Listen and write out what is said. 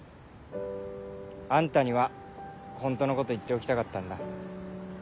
あんたにはホントのこと言っておきたかったんだ。